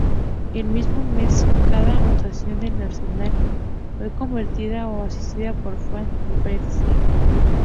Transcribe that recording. El mismo mes, cada anotación del Arsenal fue convertida o asistida por Van Persie.